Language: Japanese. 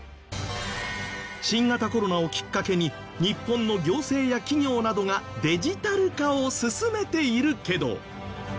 新型コロナをきっかけに日本の行政や企業などがデジタル化を進めているけど。